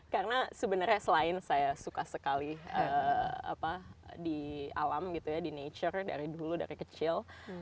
karena sebenarnya selain saya suka sekali di alam gitu ya di nature dari dulu dari kecil